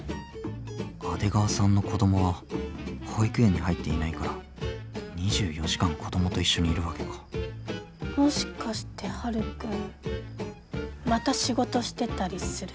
阿出川さんの子供は保育園に入っていないから２４時間子供と一緒にいるわけかもしかしてはるくんまた仕事してたりする？